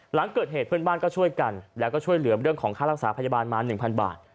หลังเกิดเหตุเพื่อนบ้านก็ช่วยกันแล้วก็ช่วยเหลือเรื่องของค่ารักษาพยาบาลมา๑๐๐บาท